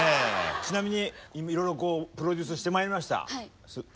ちなみにいろいろプロデュースしてまいりました。